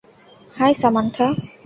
High, Samantha.